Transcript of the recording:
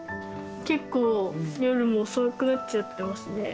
結構夜も遅くなっちゃってますね。